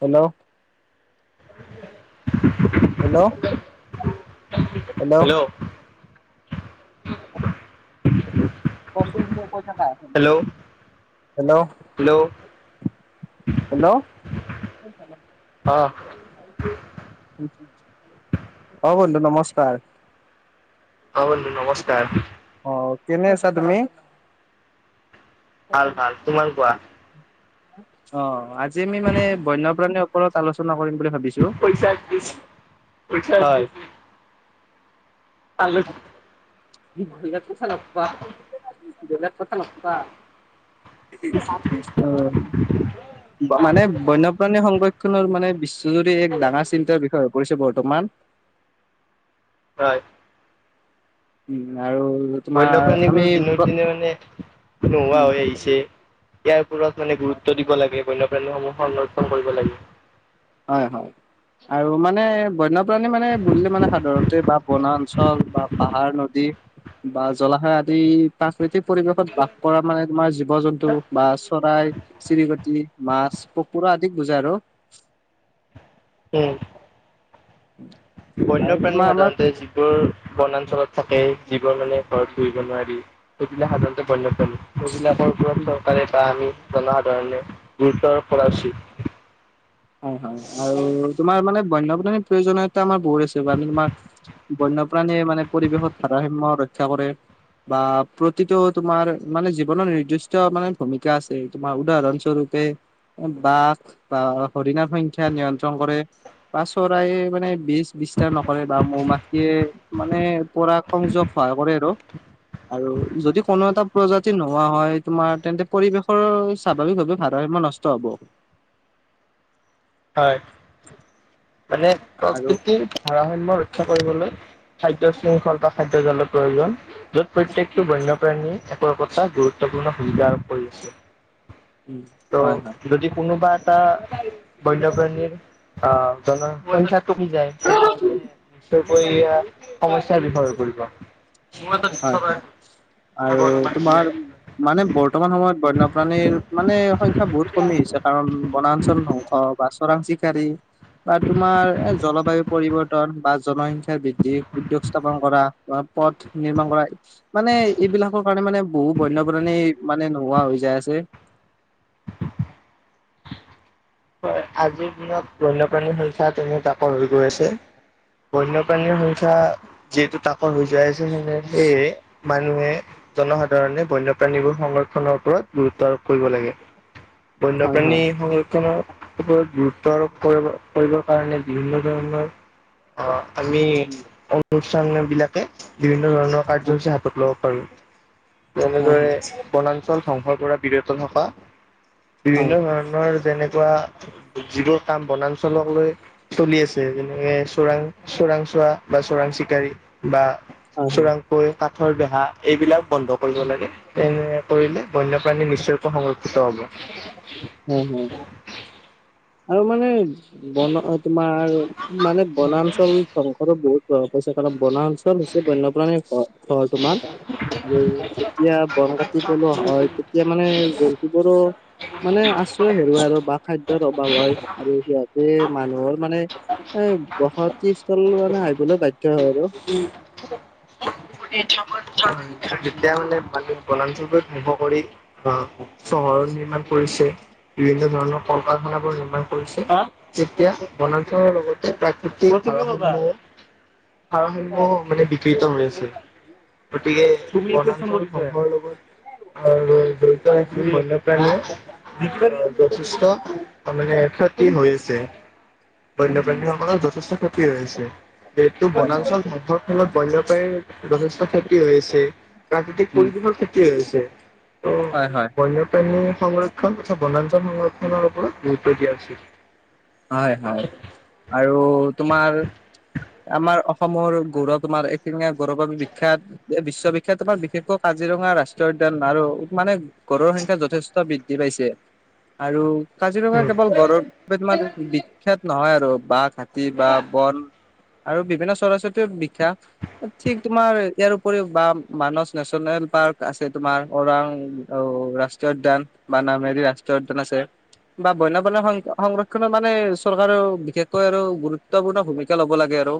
Hello, [unintelligible] hello, hello, hello কোৱাচোন তুমি কৈ থাকা। হেল্ল' হেল্লো, হেল্ল' হেল্লো, অ', অ, বন্ধু নমস্কাৰ। অ, বন্ধু নমস্কাৰ। অ, কেনে আছা তুমি? ভাল, ভাল, তোমাৰ কোৱা? অ, আজি আমি মানে বন্যপ্ৰাণীৰ ওপৰত আলোচনা কৰিম বুলি ভাবিছোঁ। [unintelligible] [inaudible] হয়। [unintelligible] [unintelligible] মিচা নকবা, এইবিলাক কথা নকবা অ, মানে বন্যপ্ৰাণী সংৰক্ষণৰ মানে বিশ্ব [inaudible] যদি এক ডাঙৰ চিন্তাৰ বিষয়ে পৰিছে বৰ্তমান। হয়। উম, আৰু তোমাৰ আমি বন্যপ্ৰাণীবোৰৰ মানে, দিনক দিনে মানে নোহোৱা হৈ আহিছে। ইয়াৰ ওপৰত মানে গুৰুত্ব দিব লাগে, বন্যপ্ৰাণীসমূহ সংৰক্ষণ কৰিব লাগে। হয়, হয়। আৰু মানে বন্যপ্ৰাণী মানে বুলিলে, মানে সাধাৰণতে বা বনাঞ্চল বা পাহাৰ নদী। বা জলাশয় আদি। প্ৰাকৃতিক পৰিৱেশত বাস কৰা মানে, তোমাৰ জীৱ-জন্তু বা চৰাই-চিৰিকটি। মা, কুকুৰা আদিক বুজাই আৰু। উম, উম [unintelligible] বন্যপ্ৰাণী সাধাৰণতে যিবোৰ বনাঞ্চলত থাকে যিবোৰ মানে ঘৰত পুহিব নোৱাৰি সেইবিলাক সাধাৰণতে বণ্যপ্ৰানী। সেইবিলাকৰ ওপৰততো পাৰে বা আমি জনসাধাৰণে গুৰুত্ব আৰোপ কৰা উচিত হয় হয় আৰু তোমাৰ মানে বন্যপ্ৰাণীৰ প্ৰয়োজনীয়তা আমাক বহু বেছি হব আমি তোমাৰ বন্যপ্ৰাণীয়ে মানে পৰিৱেশত ভাৰসাম্য ৰক্ষা কৰে বা প্ৰতিটো তোমাৰ মানে জীৱনৰ নিৰ্দিষ্ট মানে ভূমিকা আছে। তোমাৰ উদাহৰণস্বৰূপে বাঘ বা হৰিণাৰ সংখ্যা নিয়ন্ত্ৰণ কৰে। বা চৰায়ে মানে বিচ বিস্তাৰ নকৰে বা মৌ মাখিয়ে মানে পৰা সংযোগ সহায় কৰে আৰু আৰু যদি কোনো এটা প্ৰজাতি নোহোৱা হয় তোমাৰ তেন্তে পৰিৱেশৰ স্বাভাৱিকভাৱে ভাৰসাম্য নচ ষ্ট হ'ব। হয়, মানে আৰু প্ৰকৃতিৰ ভাৰসাম্য ৰক্ষা কৰিবলৈ খাদ্য শৃংখল বা খাদ্য জালৰ প্ৰয়োজন, য'ত প্ৰত্যেকটো বন্যপ্ৰাণীয়ে একো একোটা গুৰুত্বপূৰ্ণ ভূমিকা আৰোপ কৰিছে। হয় হয় ত' যদি কোনোবা এটা বন্যপ্ৰাণীৰ আহ জন সংখ্যাতোক বুজাই যায় নিশ্চয়কৈ সমস্যাৰ বিষয় হৈ পৰিব। হয় হয় আৰু তোমাৰ মানে বৰ্তমান সময়ত বন্যপ্ৰাণীৰ মানে সংখ্যা বহুত কমি আহিছে কাৰণ বনাঞ্চল ধ্বংস বা চোৰাং চিকাৰি বা তোমাৰ এ জলবায়ু পৰিব ৰ্তন বা জনসংখ্যাৰ বৃদ্ধি, উদ্যোগ স্থাপন কৰা বা পথ নিৰ্মাণ কৰা মানে এইবিলাকৰ কাৰণে মানে বহু বন্যপ্ৰাণী মানে নোহোৱা হৈ যায় আছে। হয় আজিৰ দিনত বন্যপ্ৰাণীৰ সংখ্যা তেনে তাকৰ হৈ গৈ আছে। বন্যপ্ৰাণীৰ সংখ্যা যিহেতু তাকৰ হৈ যায় আছে মানে সেই মানুহে জনসাধাৰণে বন্যপ্ৰাণীবোৰ সংৰক্ষণৰ ওপৰত গুৰুত্ব আৰোপ কৰিব লাগে। হয় বন্যপ্ৰাণী হয় সংৰক্ষণৰ ওপৰত গুৰুত্ব আৰোপ কৰিব কৰিবৰ কাৰণে বিভিন্ন ধৰণৰ অ আমি অনুষ্ঠান বিলাকে বিভিন্ন ধৰণৰ হয় কাৰ্যসূচী হাতত লওঁ। আৰু হয় হয় যেনেদৰে বনাঞ্চল ধ্বংসৰ পৰা বিৰত থকা হয় বিভিন্ন ধৰণৰ যেনেকুৱা যিবোৰ কাম বনাঞ্চলক লৈ চলি আছে যেনেকে চোৰাং চোৰাংচোৱা বা চোৰাং চিকাৰী বা হয় চোৰাংকৈ কাঠৰ বেহা, এইবিলাক বন্ধ কৰিব লাগে, তেনে কৰিলে বন্যপ্ৰাণী নিশ্চয়কৈ সংৰক্ষিত হ'ব। উম উম। আৰু মানে ব'ন তোমাৰ মানে বনাঞ্চল ধ্বংসটো বহুত হৈছে কাৰন বনাঞ্চল হৈছে বন্যপ্ৰাণীৰ ঘৰ, অ তোমাৰ আৰু যেতিয়া বন কাটি পেলোৱা হয় তেতিয়া মানে জন্তুবোৰো মানে আশ্ৰয় হেৰুৱাই আৰু বা খাদ্যৰ অভাৱ হয় আৰু সিহঁতে মানুহৰ মানে এ বসতিস্থললে মানে আহিবলৈ বাধ্য হয় আৰু উম। তেতিয়া মানে মানুহে বনাঞ্চলবোৰ ধ্বংস কৰি, অহ চহৰ নিৰ্মাণ কৰিছে। বিভিন্ন ধৰণৰ কল কাৰখানাবোৰ নিৰ্মাণ কৰিছে, তেতিয়া বনাঞ্চলৰ লগত প্ৰাকৃতিক ভাৰসাম্য, ভাৰসাম্য মানে বিকৃত হৈ আছে। গতিকে [inaudible] বন্যপ্ৰাণীয়ে। যথেষ্ট মানে ক্ষতি হৈ আছে। উম উম বন্যপ্ৰাণীসকলৰ যথেষ্ট ক্ষতি হৈ আছে, যিহেতু হয় হয় বনাঞ্চলৰ ধ্বংসৰ ফলত বন্যপ্ৰাণীৰ যথেষ্ট ক্ষতি হৈ আছে, প্ৰাকৃতিক উম পৰিৱেশৰ ক্ষতি হৈ আছে। ত' হয় হয় বন্যপ্ৰাণী সংৰক্ষণ তথা বনাঞ্চল সংৰক্ষণৰ ওপৰত গুৰুত্ব দিয়া উচিত। হয়, হয়, আৰু তোমাৰ আমাৰ অসমৰ গৌৰৱ তোমাৰ এশিঙিয়া গঁড়ৰ বাবে বিখ্যাত। বিশ্ববিখ্যাত তোমাৰ বিশেষকৈ কাজিৰঙা ৰাষ্ট্ৰীয় উদ্যান। আৰু মানে গঁড়ৰ সংখ্যা যথেষ্ট বৃদ্ধি পাইছে আৰু কাজিৰঙা উম। কেৱল গঁড়ৰ বাবে তোমাৰ বিখ্যাত নহয় আৰু বাঘ, হাতী বা বন আৰু বিভিন্ন চৰাই চিৰিকণিও বিখ্যাত। ঠিক তোমাৰ ইয়াৰ উপৰিও বা মানস নেচনেল পাৰ্ক আছে, তোমাৰ ওৰাং। অ', ৰাষ্ট্ৰীয় উদ্যান বা নামেৰি ৰাষ্ট্ৰীয় উদ্যান আছে, বা বন্য প্ৰাণী সংৰক্ষণ। মানে চৰকাৰেও বিশেষকৈ আৰু গুৰুত্বপূৰ্ণ ভূমিকা লব লাগে আৰু।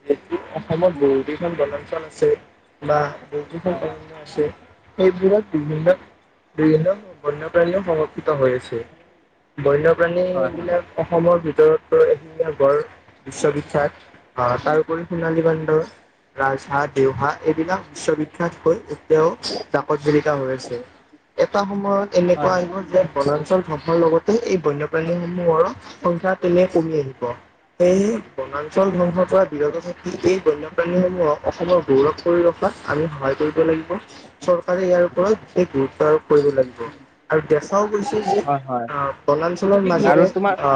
যিহেতু অসমত বহুকেইখন বনাঞ্চল আছে, বা এইবোৰত বিভিন্ন, বিভিন্ন বন্যপ্ৰাণী সমৰ্পিত হৈ হৈছে। বন্যপ্ৰাণী হয় হয়। বিলাক অসমৰ ভিতৰত এহিঙীয়া গড় বিশ্ববিখ্যাত। তাৰপৰি সোণালী বান্দৰ। ৰাজহাঁহ, দেউহাঁহ এইবিলাক বিশ্ববিখ্যাত হৈ এতিয়াও জাকত জিলিকা হৈ আছে। এটা সময়ত হয় এনেকুৱা হয় আহিব যে বনাঞ্চল ধ্বংসৰ লগতে এই বন্যপ্ৰাণীসমূহৰ সংখ্যা তেনে কমি আহিব। এই বনাঞ্চল ধ্বংস পৰা বিৰত থা এই বন্যপ্ৰাণীসমূহক অসমৰ গৌৰৱ কৰি ৰখাত আমি সহায় কৰিব লাগিব। চৰকাৰে ইয়াৰ ওপৰত বিশেষ গুৰুত্ব আৰোপ কৰিব লাগিব। আৰু দেখাও গৈছে যে, হয় হয় আ বনাঞ্চলৰ আৰু মাজেৰে তোমাৰ আ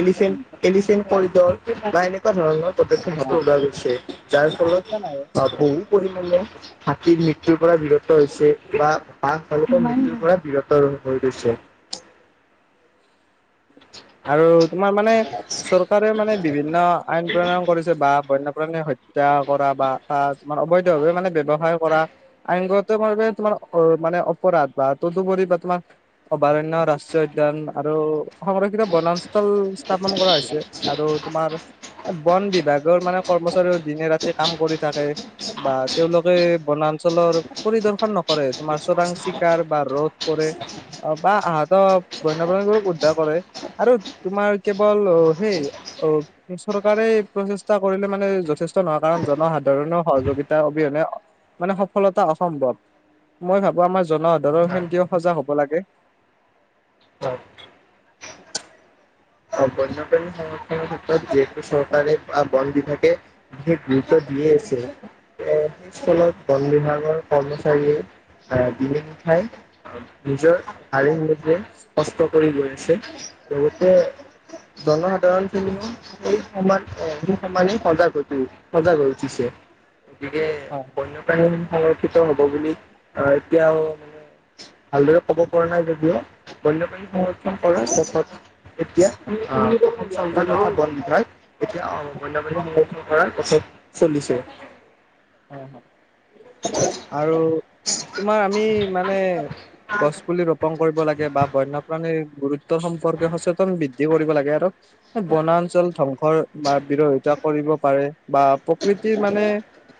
এলিফেন, এলিফেন কৰিডৰ বা এনেকুৱা ধৰণৰ পদ অ যাৰ কৈছা নাই ফলত বহু পৰিমাণে হাতীৰ মৃত্যুৰ পৰা বিৰত হৈছে। বা [unintelligible] পৰা বিৰত হৈ গৈছে। আৰু তোমাৰ মানে চৰকাৰে মানে বিভিন্ন আইন প্ৰণয়ন কৰিছে বা বন্য মানে হত্যা কৰা বা তাৰ অবৈধ ভাৱে মানে ব্যৱসায় কৰা। আইনগত ভাৱে তোমাৰ অ মানে অপৰাধ বা তদুপৰি বা তোমাৰ অভাৰণ্য ৰাষ্ট্ৰীয় উদ্যান আৰু সংৰক্ষিত বনাঞ্চল স্থাপন কৰা হৈছে, আৰু তোমাৰ বন বিভাগৰ মানে কৰ্মচাৰীও দিনে ৰাতিয়ে কাম কৰি থাকে। বা তেওঁলোকে বনাঞ্চলৰ পৰিদৰ্শন নক কৰে তোমাৰ চোৰাং চিকাৰ বা ৰোধ কৰে। বা আহত বন্যপ্ৰাণী কৰে আৰু তোমাৰ কেৱল সেই অ। চৰকাৰে প্ৰচেষ্টা কৰিলে মানে যথেষ্ট নহয়, কাৰণ জনসাধাৰণৰ সহযোগিতা অবিহনে। মানে সফলতা অসম্ভৱ, মই ভাবো আমাৰ জনসাধাৰণ হয়, হেতিও সজাগ হব লাগে। হয়। বন্যপ্ৰাণী সংৰক্ষণ থকা যিহেতু চৰকাৰে বা বন বিভাগে বিশেষ গুৰুত্ব দিয়ে আছে। এ ফলত বন বিভাগৰ কৰ্মচাৰীয়ে আ দিনে নিশাই নিজৰ [unintelligible] কষ্ট কৰি গৈ আছে লগতে জনসাধাৰণ খিনি এই সমান অ', সমানে সজাগ হৈ সজাগ হৈ উঠিছে। গতিকে বন্যপ্ৰাহিন সংৰক্ষিত হ'ব বুলি আহ এতিয়াও মানে ভালদৰে কব পৰা নাই যদিও বন্যপ্ৰাণী সংৰক্ষণ কৰা [unintelligible] এতিয়া অ', অসম চৰকাৰ তথা বন বিভাগ এতিয়া বন্য প্ৰাণী সংৰক্ষণ কৰাৰ পাছত [unintelligible] চলিছে। [inaudible] [unintelligible] আৰু তোমাৰ আমি মানে গছ পুলি ৰোপন কৰিব লাগে, বা বন্যপ্ৰাণীৰ গুৰুত্বৰ সম্পৰ্কে সচেতন বৃদ্ধি কৰিব লাগে আৰু। বনাঞ্চল ধ্বংস বা বিৰোধিতা কৰিব পাৰে বা প্ৰকৃতিৰ মানে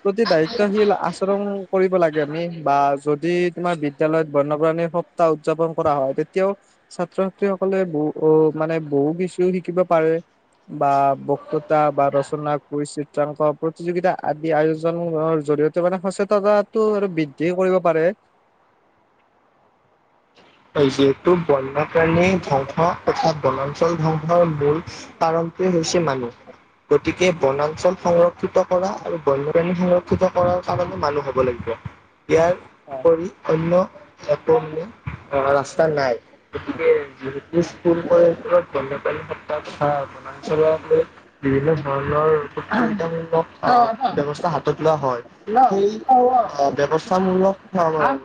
প্ৰতি দায়িত্বশীল আচৰণ কৰিব লাগে আমি বা যদি তোমাৰ বিদ্য়ালয়ত বন্যপ্ৰাণী সপ্তাহ উদযাপন কৰা হয়, তেতিয়াও ছাত্ৰ-ছাত্ৰীসকলে বহু অ', মানে বহু কিছিও শিকিব পাৰে। বা বক্ততা বা ৰচনা কুইজ, চিত্ৰাংক, প্ৰতিযোগিতা আদি আয়োজননৰ জৰিয়তে সটো মানে সচেতনতাটো আৰু বৃদ্ধি কৰিব পাৰে। হয়, যিহেতু বন্যপ্ৰাণী ধ্বংস তথা বনাঞ্চল ধ্বংসৰ মূল কাৰণটোৱে হৈছে মানুহ। গতিকে বনাঞ্চল সংৰক্ষ ক্ষিত কৰা আৰু বন্যপ্ৰাণী সুৰং ৰক্ষিত কৰাৰ কাৰণে মানুহ হব লাগিব, ইয়াৰ হয় উপৰি অন্য, একো অহা ৰাস্তা নাই। গতিকে যিহেতু স্কুল কলেজত বন্যপ্ৰাণী সপ্তাহ তথা বনাঞ্চল ক লৈ বিভিন্ন ধৰণৰ [unintelligible] ব্যৱস্থা হাতত লোৱা হয়। সেই ব্য্ৱস্থামূলক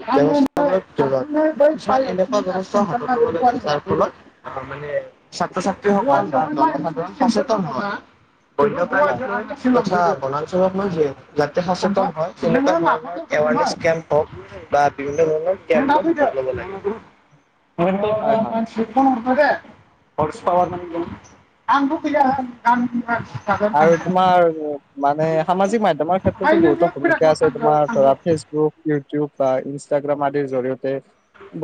ব্যৱস্থ [unintelligible] কিছুমান এনেকুৱা [unintelligible] হাতত ল'ব লাগে যাৰ ফলত অ', মানে ছাত্ৰ-ছাত্ৰী সকল হয় হয় বা জনসাধাৰণ সচেতন হয়, হয় বন্যপ্ৰাণী হয় [unintelligible] তথা বনাঞ্চলত লৈ যাতে সচেতন হয়, তেনেকা ধৰণৰ এৱাৰ নেছ কেম্প হওক বা বিভিন্ন ধৰণৰ কেম্প হয় হয় [unintelligible] [unintelligible] আৰু তোমাৰ মানে সামাজিক মাধ্যমৰ ক্ষেত্ৰতো বহুতো ভূমিকা আছে তোমাৰ ধৰা ফেচবুক ইউটিউব বা ইনষ্টাগ্ৰাম আদিৰ জৰিয়তে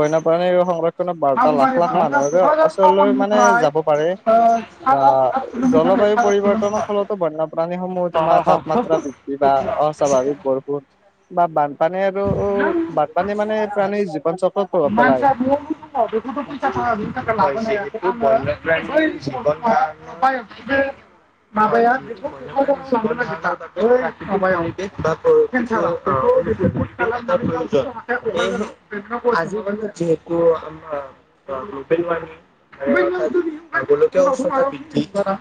বন্যপ্ৰাণীৰ সংৰক্ষণত বাৰ্তা লাখ, লাখ মানুহৰে ওচৰলৈ মানে যাব পাৰে। বা জলবায়ু পৰিৱৰ্তনৰ ফলত ক, বৈনো প্ৰাণী সমূহ তোমাৰ তাপমাত্ৰা বৃদ্ধি বা অস্বাভাৱিক বৰষুণ। বা বানপানী আৰু বানপানী মানে প্ৰাণীৰ জীৱন চক [unintelligible] [unintelligible] [unintelligible] [unintelligible] প্ৰয়োজন সেয়েহে [unintelligible] আজি যিহেতু আমাৰ গ্লোবেল ৱাৰ্মিং [unintelligible] গোলকীয় উষ্ণতা বৃদ্ধি কৰা।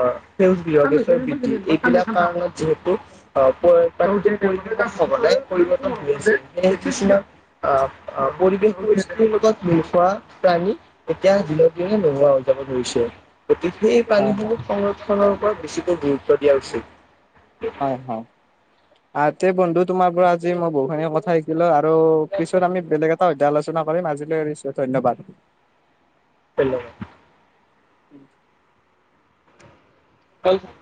অ', সেউজ গৃহৰ [unintelligible] এইবিলাক কাৰত যিহেতু অ', [unintelligible] পৰিৱৰ্তন সঘনাই পৰিৱৰ্তন হৈ আছে সেয়ে কিছুমান আহ অ', পৰিৱেশিৰ পৰিস্থিতিৰ লগত মিল খোৱা প্ৰাণী এতিয়া দিনক দিনে নোহোৱা হৈ যাব ধৰিছে। গতিকে সেই হয় হয় প্ৰাণীসমূহ সংৰক্ষনৰ ওপৰত বেছিকৈ গুৰুত্ব দিয়া উচিত। হয়, হয়। আ, তে বন্ধু তোমাৰ পৰা আজি মই বহুতখিনি কথা শিকিলো আৰু পিছত আমি বেলেগ এ টা আলোচনা কৰিম আজিলৈ এৰিছো, ধন্যবাদ। ধন্যবাদ। [unintelligible]